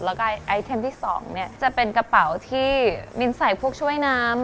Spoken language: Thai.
แล้วก็ไอเทมที่๒เนี่ยจะเป็นกระเป๋าที่มินใส่พวกช่วยน้ำ